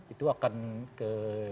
itu akan ke